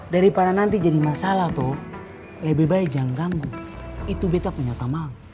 karena nanti jadi masalah tuh lebih baik jangan ganggu itu betapunyatamang